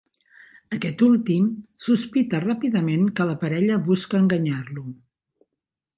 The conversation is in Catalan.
Aquest últim sospita ràpidament que la parella busca enganyar-lo.